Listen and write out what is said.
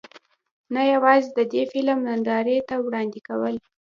نۀ يواځې د دې فلم نندارې ته وړاندې کول